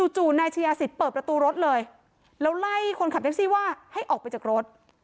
จู่นายชายาศิษย์เปิดประตูรถเลยแล้วไล่คนขับแท็กซี่ว่าให้ออกไปจากรถ